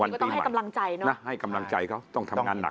ก็ต้องให้กำลังใจเนอะนะให้กำลังใจเขาต้องทำงานหนัก